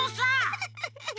フフフフフ。